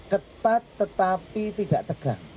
ketat tetapi tidak tegang